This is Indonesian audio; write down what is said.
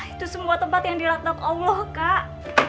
itu semua tempat yang diratnak allah kak